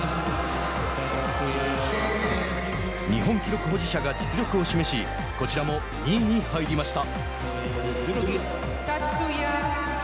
日本記録保持者が実力を示しこちらも２位に入りました。